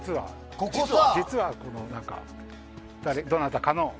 実は、どなたかの。